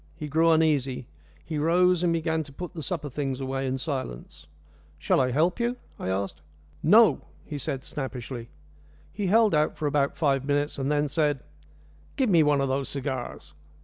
He grew uneasy. He rose, and began to put the supper things away in silence. "Shall I help you?" I asked. "No!" he said snappishly. He held out for about five minutes, and then said, "Give me one of those cigars."